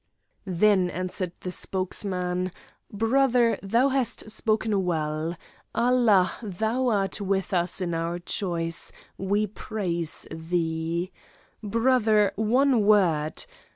Then answered the spokesman: "Brother, thou hast spoken well. Allah, thou art with us in our choice; we praise Thee. Brother, one word!